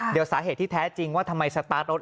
เดี๋ยวสาเหตุที่แท้จริงว่าทำไมสตาร์ทรถ